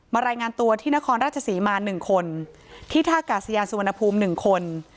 รายงานตัวที่นครราชศรีมา๑คนที่ท่ากาศยานสุวรรณภูมิ๑คน